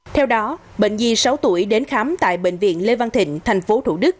theo đó bệnh vi sáu tuổi đến khám tại bệnh viện lê văn thịnh thành phố thủ đức